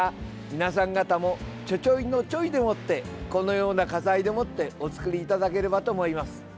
皆さん方もちょちょいのちょいでもってこのような花材でもってお作りいただければと思います。